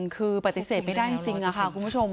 คือปฏิเสธไม่ได้จริงค่ะคุณผู้ชม